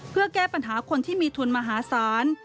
เพื่อแก้ปัญหาคนที่มีทุนมหาศาล